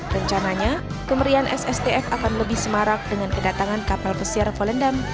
rencananya kemerian sstf akan lebih semarak dengan kedatangan kapal pesiar volendam